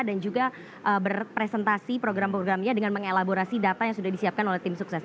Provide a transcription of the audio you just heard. juga berpresentasi program programnya dengan mengelaborasi data yang sudah disiapkan oleh tim sukses